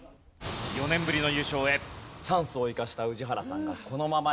４年ぶりの優勝へチャンスを生かした宇治原さんがこのままいくか？